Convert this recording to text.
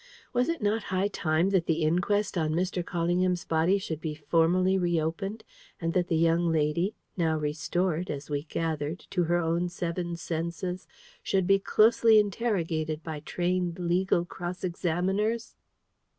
Was it not high time that the inquest on Mr. Callingham's body should be formally reopened, and that the young lady, now restored (as we gathered) to her own seven senses, should be closely interrogated by trained legal cross examiners?